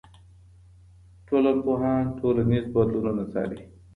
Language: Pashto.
ټولنپوهان ټولنیز بدلونونه څاري.